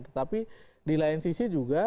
tetapi di lain sisi juga